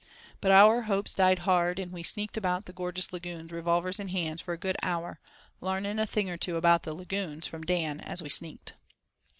But our hopes died hard, and we sneaked about the gorgeous lagoons, revolvers in hand, for a good hour, "larning a thing or two about the lagoons" from Dan as we sneaked.